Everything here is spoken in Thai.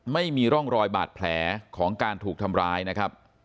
ไม่มีร่องรอยบาดแผลของการถูกทำร้ายนะครับ